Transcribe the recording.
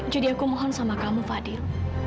aku mohon sama kamu fadil